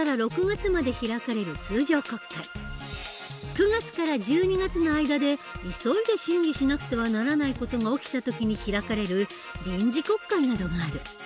９月から１２月の間で急いで審議しなくてはならない事が起きた時に開かれる臨時国会などがある。